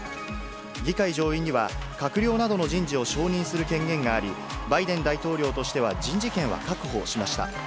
議会上院には閣僚などの人事を承認する権限があり、バイデン大統領としては人事権は確保しました。